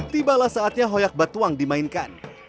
tibalah saatnya hoyak batuang dimainkan